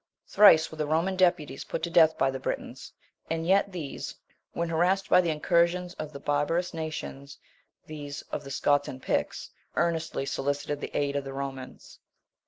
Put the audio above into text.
30. Thrice were the Roman deputies put to death by the Britons, and yet these, when harassed by the incursions of the barbarous nations, viz. Of the Scots and Picts, earnestly solicited the aid of the Romans.